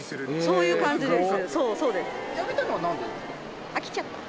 そういう感じです。